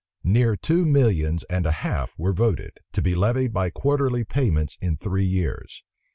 Near two millions and a half were voted, to be levied by quarterly payments in three years.